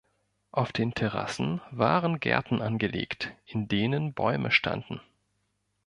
Auf den Terrassen waren Gärten angelegt, in denen Bäume standen.